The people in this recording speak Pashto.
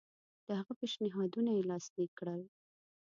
د هغه پېشنهادونه یې لاسلیک کړل.